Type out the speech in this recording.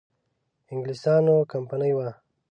انګلیسیانو کمپنی وه.